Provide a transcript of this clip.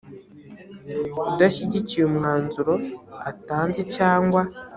udashyigikiye umwanzuro atanze cyangwa